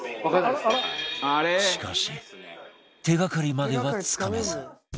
しかし手がかりまではつかめず